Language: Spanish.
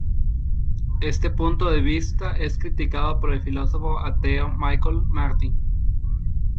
Este punto de vista es criticado por el filósofo ateo Michael Martin.